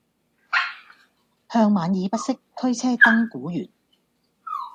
向晚意不適，驅車登古原。